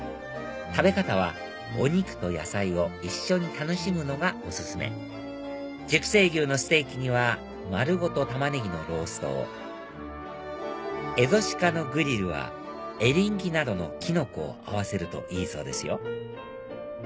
食べ方はお肉と野菜を一緒に楽しむのがお勧め熟成牛のステーキには丸ごとタマネギのローストをエゾ鹿のグリルはエリンギなどのキノコを合わせるといいそうですよ